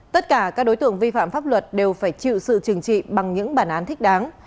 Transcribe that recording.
tất cả các đối tượng vi phạm pháp luật đều phải chịu sự trừng trị bằng những bản án thích đáng